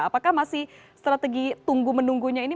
apakah masih strategi tunggu menunggunya ini